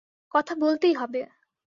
কথা বলতেই হবে!